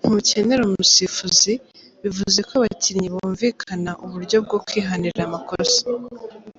Ntukenerera umusifuzi, bivuze ko abakinnyi bumvikana uburyo bwo kwihanira amakosa.